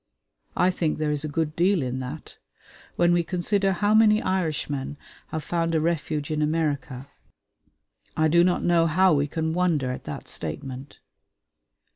I think there is a good deal in that. When we consider how many Irishmen have found a refuge in America, I do not know how we can wonder at that statement.